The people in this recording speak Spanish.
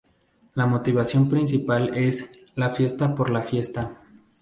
La motivación principal es "la fiesta por la fiesta".